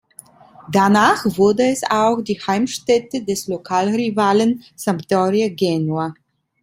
Danach wurde es auch die Heimstätte des Lokalrivalen Sampdoria Genua.